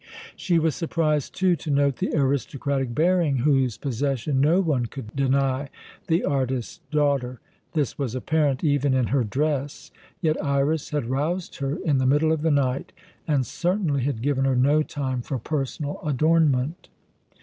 She was surprised, too, to note the aristocratic bearing whose possession no one could deny the artist's daughter. This was apparent even in her dress, yet Iras had roused her in the middle of the night, and certainly had given her no time for personal adornment.